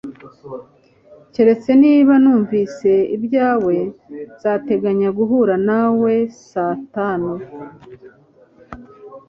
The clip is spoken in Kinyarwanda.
Keretse niba numvise ibyawe, nzateganya guhura nawe saa tanu